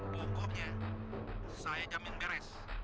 pokoknya saya jamin beres